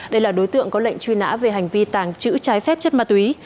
đây là đối tượng có lệnh truy nã về hành vi tàng trữ trái phép chất ma túy